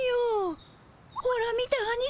ほら見てアニさん。